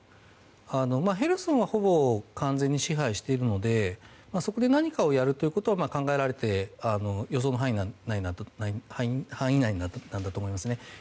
ヘルソンはほぼ完全に支配しているのでそこで何かをやるということは予想の範囲内なんだと思います。